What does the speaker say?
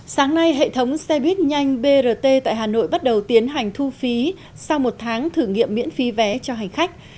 sáng nay hệ thống xe buýt nhanh brt tại hà nội bắt đầu tiến hành thu phí sau một tháng thử nghiệm miễn phí vé cho hành khách